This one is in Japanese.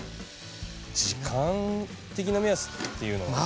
時間的な目安っていうのは？